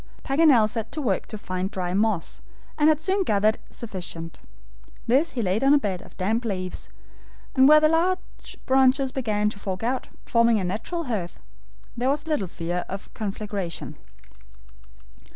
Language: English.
Paganel set to work to find dry moss, and had soon gathered sufficient. This he laid on a bed of damp leaves, just where the large branches began to fork out, forming a natural hearth, where there was little fear of conflagration.